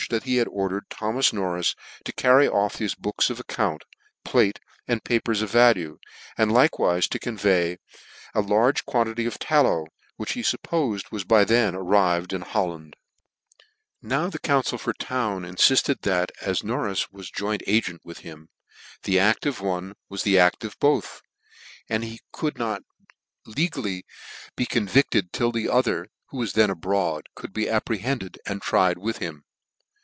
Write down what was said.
at he had ordered Tho mas Nor. is to carry off his books of accounts, plate, and papers of value, and Hkewife to convey away a large quaintity of tallow, which he fuppofed vras then arrived in Holland, Now the council for Town ihfifted that, as Nor yis was a joint agent with him, the aft of one was act. p$" buth j and that .he could not legally be con RICH. TOWN for Defrauding Hs Creditors. 149 convifted till the other (who was then abroad) co'uld be apprehended, and tried with hi,n.